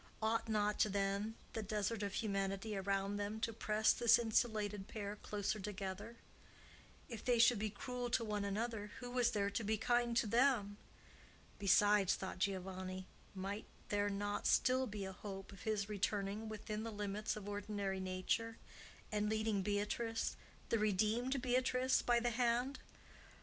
Ought not, then, the desert of humanity around them to press this insulated pair closer together? If they should be cruel to one another, who was there to be kind to them? Besides, thought Giovanni, might there not still be a hope of his returning within the limits of ordinary nature, and leading Beatrice, the redeemed Beatrice, by the hand?